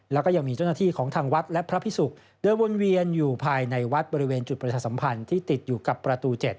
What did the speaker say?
แล้วก็ยังมีเจ้าหน้าที่ของทางวัดและพระพิสุกเดินวนเวียนอยู่ภายในวัดบริเวณจุดประชาสัมพันธ์ที่ติดอยู่กับประตู๗